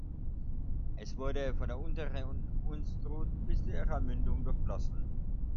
Es wurde von der unteren Unstrut bis zu ihrer Mündung durchflossen.